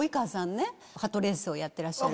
鳩レースをやってらっしゃる。